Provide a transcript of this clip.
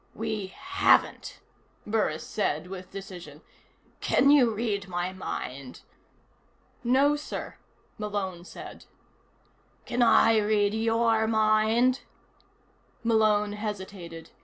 "We haven't," Burris said with decision. "Can you read my mind?" "No, sir," Malone said. "Can I read your mind?" Malone hesitated.